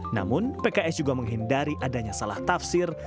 namun pks juga menghindari adanya salah tafsir